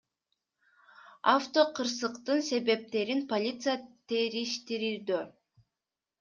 Автокырсыктын себептерин полиция териштирүүдө.